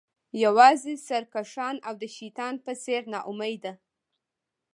یوازې سرکښان او د شیطان په څیر ناامیده